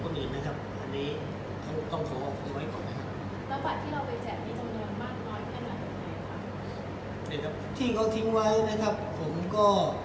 เพราะว่าเขาบอกประมาณไม่ได้นะครับแต่ก็ประมาณน่าจะประมาณคร่าวน่าจะสับพันธุ์ประมาณ